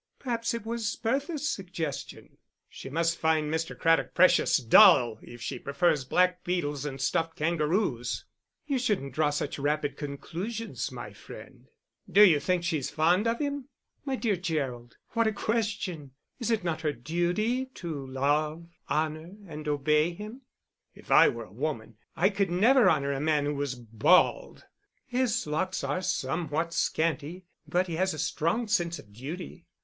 "Perhaps it was Bertha's suggestion." "She must find Mr. Craddock precious dull if she prefers blackbeetles and stuffed kangaroos." "You shouldn't draw such rapid conclusions, my friend." "D'you think she's fond of him?" "My dear Gerald, what a question! Is it not her duty to love, honour, and obey him?" "If I were a woman I could never honour a man who was bald." "His locks are somewhat scanty; but he has a strong sense of duty."